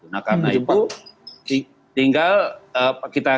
nah karena itu tinggal kita serahkan saja kepada kebijakan